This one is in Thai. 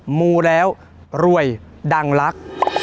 มูแล้วรวยดังรัก